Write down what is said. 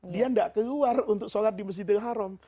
dia tidak keluar untuk sholat di masjidil haram